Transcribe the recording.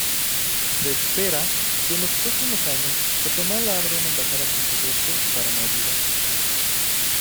Se espera que en los próximos años Guatemala abra una embajada concurrente para Maldivas.